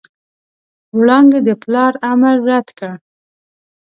وړانګې د پلار امر رد کړ.